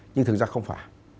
nhưng thực ra không phải